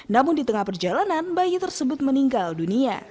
namun di tengah perjalanan bayi tersebut meninggal dunia